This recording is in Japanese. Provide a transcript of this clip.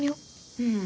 うん。